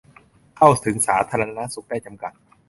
เข้าถึงสาธารณสุขได้จำกัด